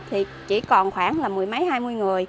thì chỉ còn khoảng là mười mấy hai mươi người